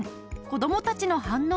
子どもたちの反応は？